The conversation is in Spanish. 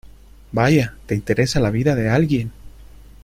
vaya, te interesa la vida de alguien.